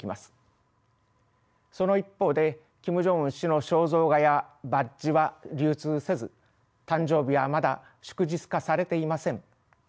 その一方でキム・ジョンウン氏の肖像画やバッジは流通せず誕生日はまだ祝日化されていません。